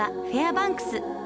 バンクス。